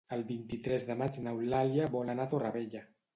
El vint-i-tres de maig n'Eulàlia vol anar a Torrevella.